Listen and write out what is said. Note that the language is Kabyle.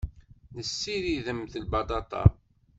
Tessiridemt lbaṭaṭa.